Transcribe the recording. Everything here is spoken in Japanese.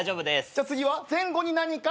じゃあ次は前後に何か。